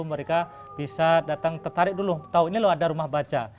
mereka bisa datang tertarik dulu tahu ini loh ada rumah baca